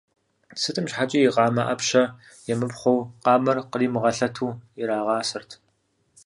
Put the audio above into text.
Сытым щхьэкӀи и къамэ Ӏэпщэ емыпхъуэу, къамэр къримыгъэлъэту ирагъасэрт.